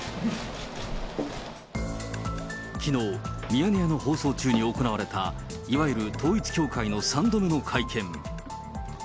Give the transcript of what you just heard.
きのう、ミヤネ屋の放送中に行われた、いわゆる統一教会の３度目の会見。